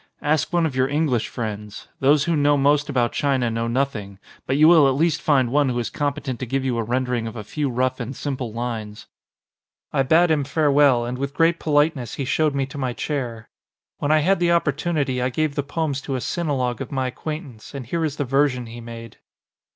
Ask one of your English friends. Those who know most about China know nothing, but you will at least find one who is competent to give you a rendering of a few rough and simple lines." I bade him farewell, and with great politeness he showed me to my chair. When I had the op portunity I gave the poems to a sinologue of my acquaintance, and here is the version he made.